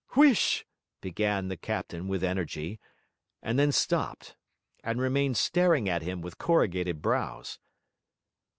'Huish!' began the captain with energy; and then stopped, and remained staring at him with corrugated brows.